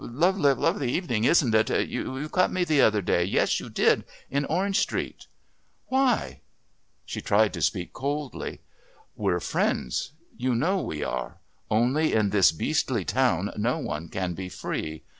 Lovely evening, isn't it?...You cut me the other day. Yes, you did. In Orange Street." "Why?" She tried to speak coldly. "We're friends. You know we are. Only in this beastly town no one can be free....